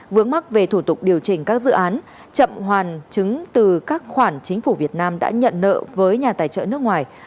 vướng mắc về thủ tục điều chỉnh các dự án chậm hoàn chứng từ các khoản chính phủ việt nam đã nhận nợ với nhà tài trợ nước ngoài